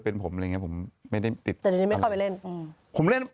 แต่ในนี้ไม่เข้าไปเล่น